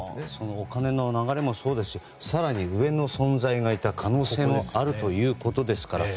お金の流れもそうですし更に上の存在がいた可能性もあるということですから。